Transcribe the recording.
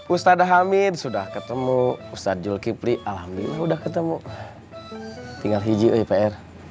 ustadz hamid sudah ketemu ustadz jul kipli alhamdulillah sudah ketemu tinggal hijik ipr